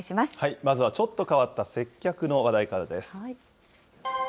まずはちょっと変わった接客の話題からです。